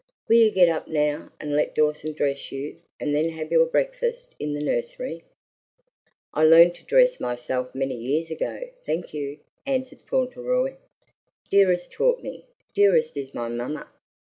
Will you get up now, and let Dawson dress you, and then have your breakfast in the nursery?" "I learned to dress myself many years ago, thank you," answered Fauntleroy. "Dearest taught me. 'Dearest' is my mamma.